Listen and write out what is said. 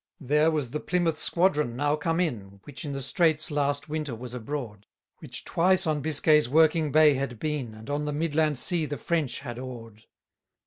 171 There was the Plymouth squadron now come in, Which in the Straits last winter was abroad; Which twice on Biscay's working bay had been, And on the midland sea the French had awed.